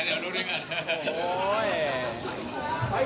เดี๋ยวดูด้วยกัน